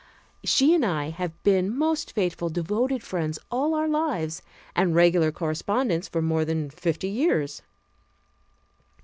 She and I have been most faithful, devoted friends all our lives, and regular correspondents for more than fifty years.